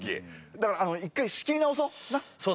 だから１回仕切り直そう。